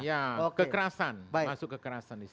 ya kekerasan masuk kekerasan